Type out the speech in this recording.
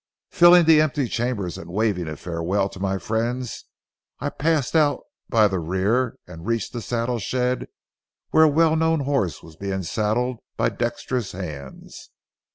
Filling the empty chambers, and waving a farewell to my friends, I passed out by the rear and reached the saddle shed, where a well known horse was being saddled by dexterous hands.